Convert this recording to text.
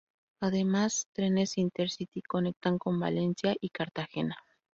Además, trenes Intercity conectan con Valencia y Cartagena.